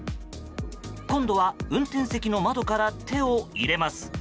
今度は運転席の窓から手を入れます。